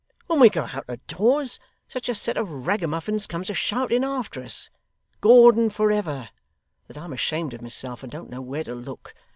When we go out o' doors, such a set of ragamuffins comes a shouting after us, "Gordon forever!" that I'm ashamed of myself and don't know where to look.